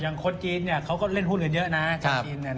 ยังคนจีนเขาก็เล่นหุ้นเยอะนะ